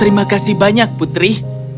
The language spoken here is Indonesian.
terima kasih banyak putri